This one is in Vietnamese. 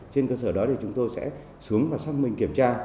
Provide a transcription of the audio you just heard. trên cơ sở đó thì chúng tôi sẽ xuống và xác minh kiểm tra